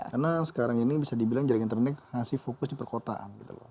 karena sekarang ini bisa dibilang jaringan internet masih fokus di perkotaan gitu loh